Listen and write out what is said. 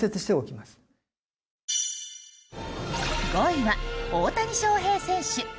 ５位は、大谷翔平選手。